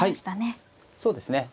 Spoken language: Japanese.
そうですね。